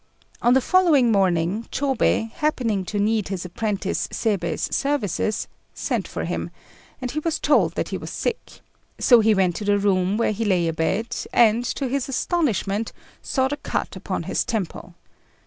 On the following morning Chôbei, happening to need his apprentice Seibei's services, sent for him, and was told that he was sick; so he went to the room, where he lay abed, and, to his astonishment, saw the cut upon his temple.